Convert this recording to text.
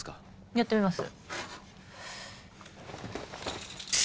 やってみます。